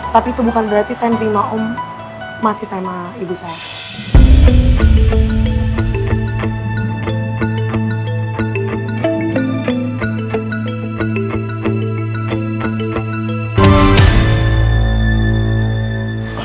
tapi itu bukan berarti saya nerima om masih sama ibu saya